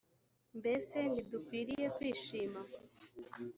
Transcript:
mbese ntidukwiriye kwishima?